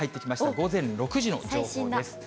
午前６時の情報です。